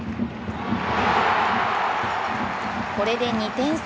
これで２点差。